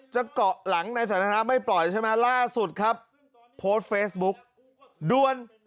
จะเกาะหลังในสถานะไม่ปล่อยใช่ไหมล่าสุดครับโพสต์เฟซบุ๊กด่วน